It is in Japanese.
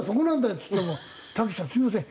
っつっても「たけしさんすみません。